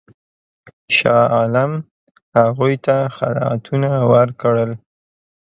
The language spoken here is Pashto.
شاه عالم هغوی ته خلعتونه ورکړل.